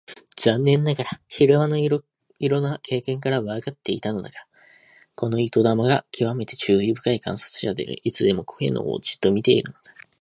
残念ながら昼間のいろいろな経験からわかっていたのだが、この糸玉がきわめて注意深い観察者であり、いつでも Ｋ のほうをじっと見ているのだ。